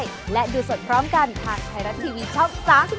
สวัสดีครับ